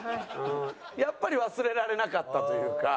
やっぱり忘れられなかったというか。